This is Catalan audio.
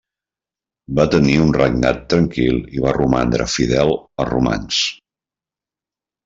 Va tenir un regnat tranquil i va romandre fidel als romans.